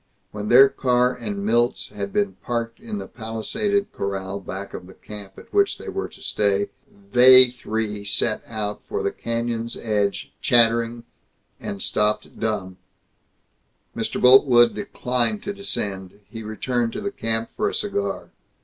When their car and Milt's had been parked in the palisaded corral back of the camp at which they were to stay, they three set out for the canyon's edge chattering, and stopped dumb. Mr. Boltwood declined to descend. He returned to the camp for a cigar.